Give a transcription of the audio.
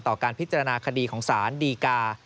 การพิจารณาคดีของสารดีกา